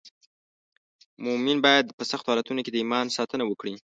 مومن باید په سختو حالاتو کې د ایمان ساتنه وکړي.